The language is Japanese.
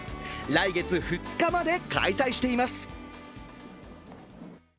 来月２日まで開催しています。